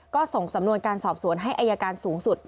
ก็ส่งสำนวนการสอบสวนให้อายการสูงสุด